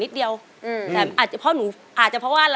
งานพอสมควรค่ะ